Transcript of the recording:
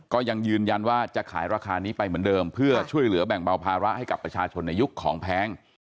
ก็ยังยืนยันว่าจะขายราคานี้ไปเหมือนเดิมเพื่อช่วยเหลือแบ่งเบาภาระให้กับประชาชนในยุคของแพง